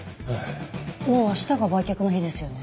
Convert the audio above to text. もう明日が売却の日ですよね？